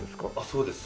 そうです。